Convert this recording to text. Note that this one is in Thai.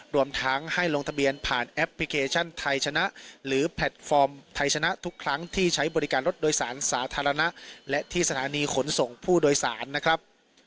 รวมทั้งให้ลงทะเบียนผ่านแอปพลิเคชันไทยชนะหรือแพลตฟอร์มไทยชนะทุกครั้งที่ใช้บริการรถโดยสารสาธารณะและที่สถานีขนส่งผู้โดยสารนะครับ